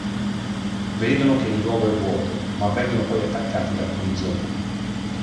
Vedono che il luogo è vuoto, ma vengono poi attaccati da alcuni zombie.